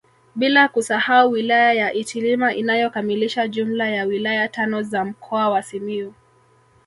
Bila kusahau wilaya ya Itilima inayokamilisha jumla ya wilaya tano za mkoa wa Simiyu